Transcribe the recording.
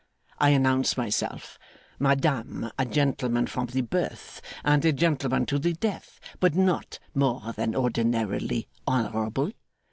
I announce myself, "Madame, a gentleman from the birth, and a gentleman to the death; but not more than ordinarily honourable.